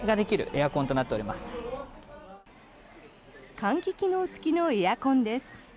換気機能付きのエアコンです。